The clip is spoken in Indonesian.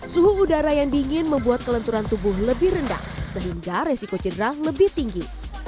suhu udara yang dingin membuat kelenturan tubuh lebih rendah sehingga resiko cedera lebih tinggi